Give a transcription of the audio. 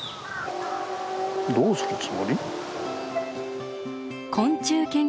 どうするつもり？